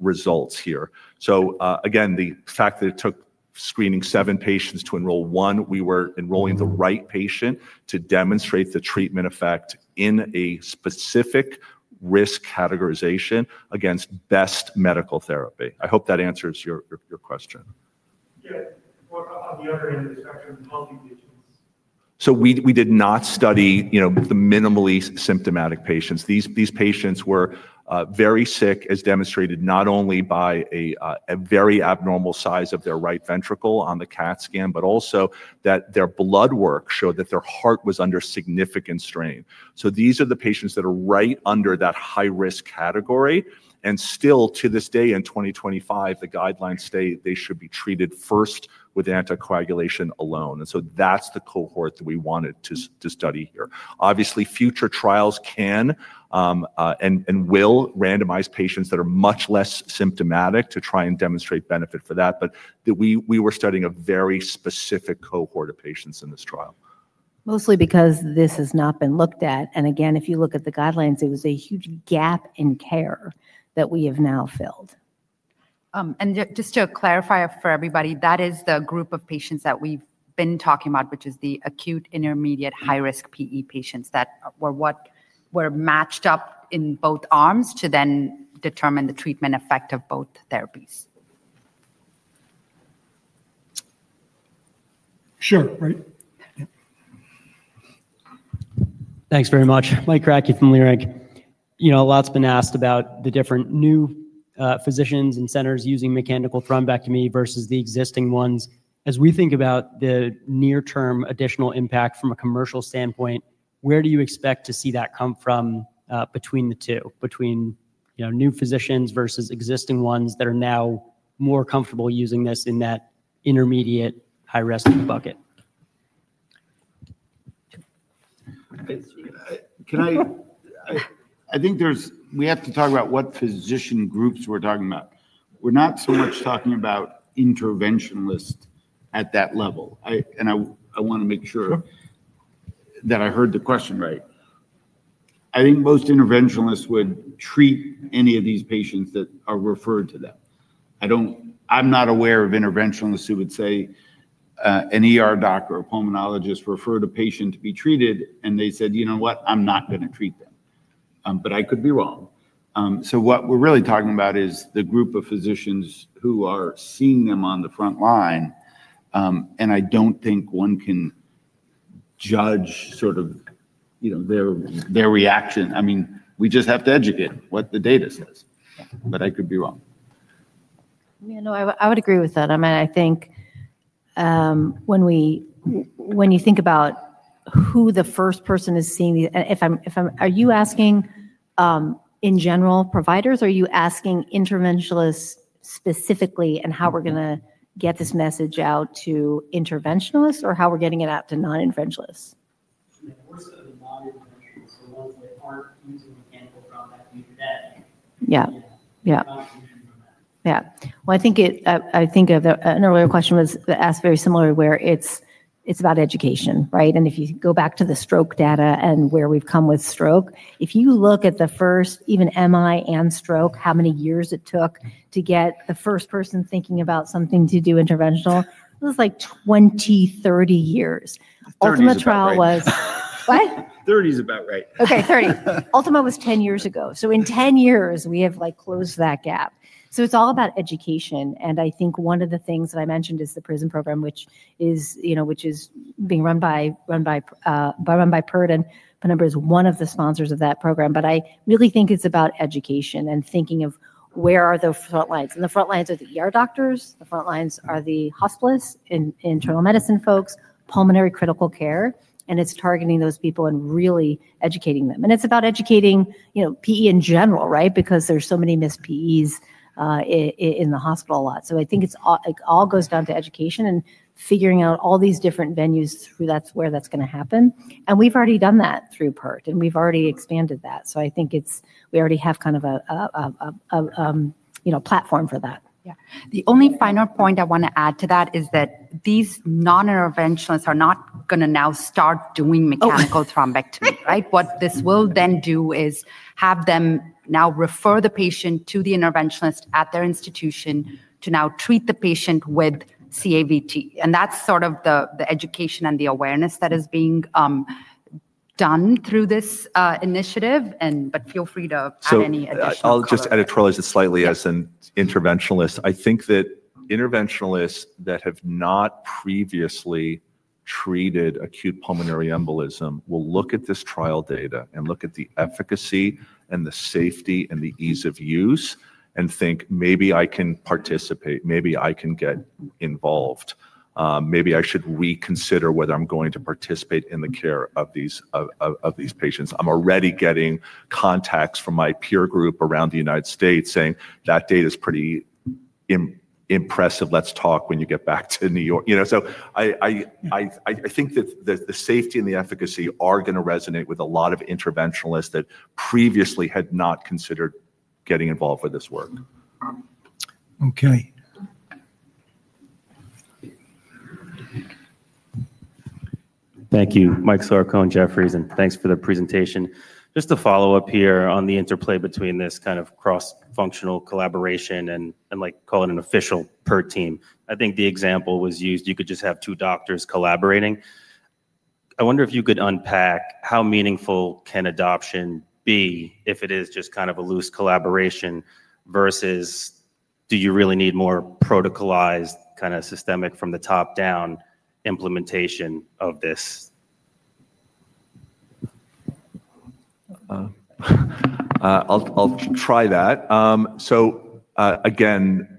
results here. The fact that it took screening seven patients to enroll one, we were enrolling the right patient to demonstrate the treatment effect in a specific risk categorization against best medical therapy. I hope that answers your question. Yeah, on the other end of the spectrum, healthy patients. We did not study the minimally symptomatic patients. These patients were very sick, as demonstrated not only by a very abnormal size of their right ventricle on the CAT scan, but also that their blood work showed that their heart was under significant strain. These are the patients that are right under that high-risk category. Still to this day, in 2025, the guidelines say they should be treated first with anticoagulation alone. That's the cohort that we wanted to study here. Obviously, future trials can and will randomize patients that are much less symptomatic to try and demonstrate benefit for that. We were studying a very specific cohort of patients in this trial. Mostly because this has not been looked at. If you look at the guidelines, it was a huge gap in care that we have now filled. Just to clarify for everybody, that is the group of patients that we've been talking about, which is the acute, intermediate high-risk PE patients that were matched up in both arms to then determine the treatment effect of both therapies. Sure. Right. Thanks very much. [Mike Krake from Lyrinc]. Lots been asked about the different new physicians and centers using mechanical thrombectomy versus the existing ones. As we think about the near-term additional impact from a commercial standpoint, where do you expect to see that come from between the two, between new physicians versus existing ones that are now more comfortable using this in that intermediate high-risk bucket? I think we have to talk about what physician groups we're talking about. We're not so much talking about interventionalists at that level. I want to make sure that I heard the question right. I think most interventionalists would treat any of these patients that are referred to them. I'm not aware of interventionalists who would say a doctor or pulmonologist referred a patient to be treated and they said, you know what? I'm not going to treat them. I could be wrong. What we're really talking about is the group of physicians who are seeing them on the front line. I don't think one can judge sort of their reaction. We just have to educate them what the data says. I could be wrong. Yeah, no, I would agree with that. I mean, I think when you think about who the first person is seeing these, are you asking in general providers? Are you asking interventionalists specifically, and how we're going to get this message out to interventionalists or how we're getting it out to non-interventionalists? Yeah. Yeah, we're not using them for that. Yeah, I think an earlier question was asked very similarly where it's about education, right? If you go back to the stroke data and where we've come with stroke, if you look at the first even MI and stroke, how many years it took to get the first person thinking about something to do interventional, it was like 20, 30 years. Ultima trial was what? 30 is about right. Okay, 30. Ultima was 10 years ago. In 10 years, we have closed that gap. It is all about education. One of the things that I mentioned is the PRISM education initiative, which is being run by the PERT Consortium. Penumbra is one of the sponsors of that program. I really think it is about education and thinking of where are the front lines. The front lines are the doctors. The front lines are the hospitalists, internal medicine folks, pulmonary critical care. It is targeting those people and really educating them. It is about educating on PE in general, right? There are so many missed PEs in the hospital a lot. I think it all goes down to education and figuring out all these different venues where that is going to happen. We have already done that through the PERT Consortium. We have already expanded that. I think we already have kind of a platform for that. The only final point I want to add to that is that these non-interventionalists are not going to now start doing mechanical thrombectomy, right? What this will then do is have them now refer the patient to the interventionalist at their institution to now treat the patient with CAVT. That is the education and the awareness that is being done through this initiative. Feel free to add any additional. I'll just add it, Troy, just slightly as an interventionalist. I think that interventionalists that have not previously treated acute pulmonary embolism will look at this trial data and look at the efficacy and the safety and the ease of use and think, maybe I can participate. Maybe I can get involved. Maybe I should reconsider whether I'm going to participate in the care of these patients. I'm already getting contacts from my peer group around the United States saying that data is pretty impressive. Let's talk when you get back to New York. I think that the safety and the efficacy are going to resonate with a lot of interventionalists that previously had not considered getting involved with this work. Okay. Thank you, [Mike Sourkoh and Jeff Reason]. Thanks for the presentation. Just a follow-up here on the interplay between this kind of cross-functional collaboration and, like, call it an official PERT team. I think the example was used you could just have two doctors collaborating. I wonder if you could unpack how meaningful can adoption be if it is just kind of a loose collaboration versus do you really need more protocolized, kind of systemic, from-the-top-down implementation of this? I'll try that.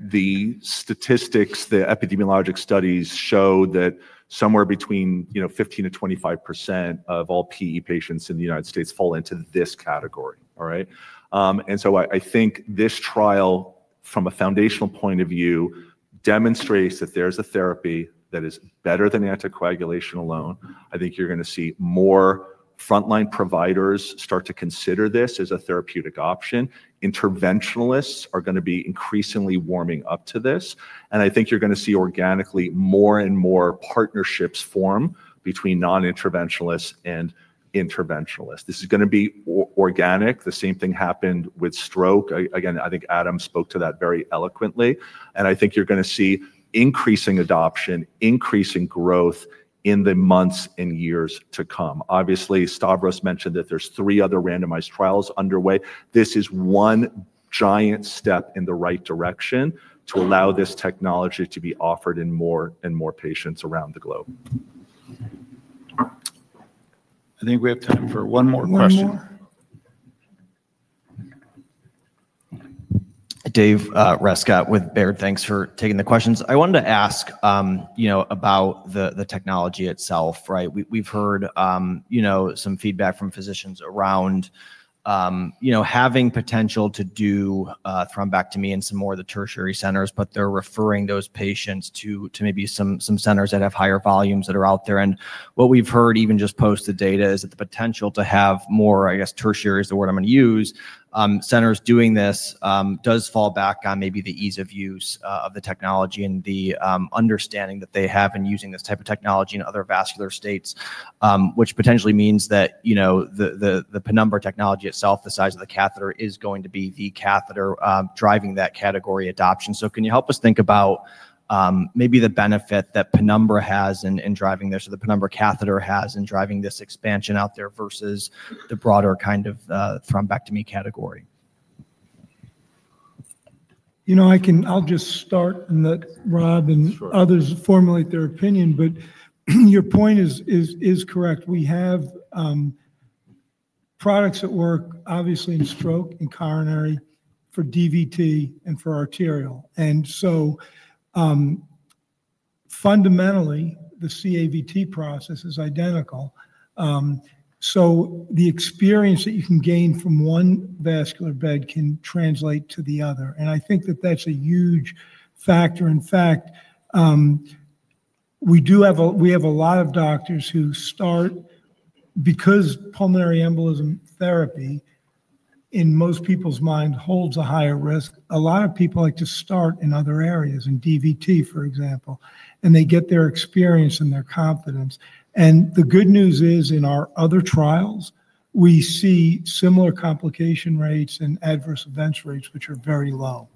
The statistics, the epidemiologic studies show that somewhere between 15%-25% of all PE patients in the United States fall into this category, all right? I think this trial, from a foundational point of view, demonstrates that there's a therapy that is better than anticoagulation alone. I think you're going to see more frontline providers start to consider this as a therapeutic option. Interventionalists are going to be increasingly warming up to this. I think you're going to see organically more and more partnerships form between non-interventionalists and interventionalists. This is going to be organic. The same thing happened with stroke. I think Adam spoke to that very eloquently. I think you're going to see increasing adoption, increasing growth in the months and years to come. Obviously, Stavros mentioned that there's three other randomized trials underway. This is one giant step in the right direction to allow this technology to be offered in more and more patients around the globe. I think we have time for one more question. [Dave Raska with Bear]. Thanks for taking the questions. I wanted to ask about the technology itself, right? We've heard some feedback from physicians around having potential to do thrombectomy in some more of the tertiary centers. They're referring those patients to maybe some centers that have higher volumes that are out there. What we've heard even just post the data is that the potential to have more, I guess, tertiary is the word I'm going to use, centers doing this does fall back on maybe the ease of use of the technology and the understanding that they have in using this type of technology in other vascular states, which potentially means that the Penumbra technology itself, the size of the catheter, is going to be the catheter driving that category adoption. Can you help us think about maybe the benefit that Penumbra has in driving this, or the Penumbra catheter has in driving this expansion out there versus the broader kind of thrombectomy category? I'll just start and let Rob and others formulate their opinion. Your point is correct. We have products that work obviously in stroke and coronary for DVT and for arterial. Fundamentally, the CABT process is identical. The experience that you can gain from one vascular bed can translate to the other. I think that that's a huge factor. In fact, we have a lot of doctors who start because pulmonary embolism therapy, in most people's minds, holds a higher risk. A lot of people like to start in other areas, in DVT, for example. They get their experience and their confidence. The good news is in our other trials, we see similar complication rates and adverse events rates, which are very low.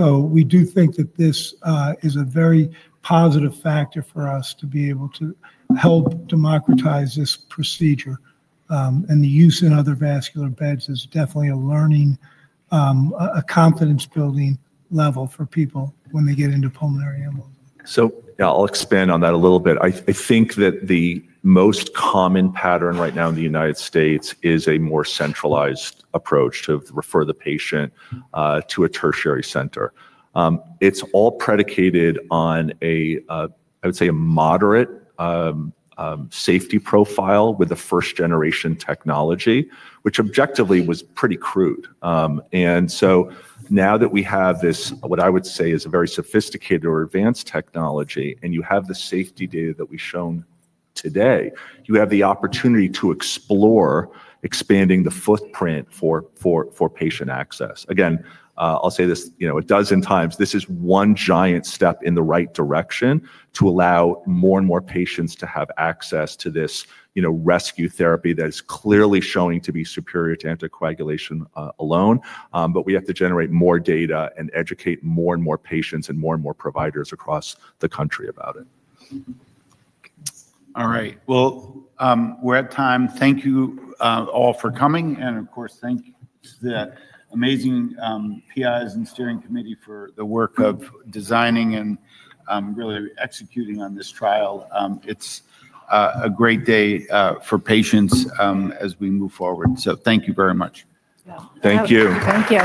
We do think that this is a very positive factor for us to be able to help democratize this procedure. The use in other vascular beds is definitely a learning, a confidence-building level for people when they get into pulmonary embolism. I'll expand on that a little bit. I think that the most common pattern right now in the U.S. is a more centralized approach to refer the patient to a tertiary center. It's all predicated on, I would say, a moderate safety profile with a first-generation technology, which objectively was pretty crude. Now that we have this, what I would say is a very sophisticated or advanced technology, and you have the safety data that we've shown today, you have the opportunity to explore expanding the footprint for patient access. Again, I'll say this a dozen times. This is one giant step in the right direction to allow more and more patients to have access to this rescue therapy that is clearly showing to be superior to anticoagulation alone. We have to generate more data and educate more and more patients and more and more providers across the country about it. All right. We're at time. Thank you all for coming. Of course, thank the amazing PIs and steering committee for the work of designing and really executing on this trial. It's a great day for patients as we move forward. Thank you very much. Thank you. Thank you.